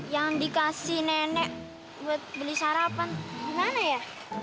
yang dikasih nenek buat beli sarapan gimana ya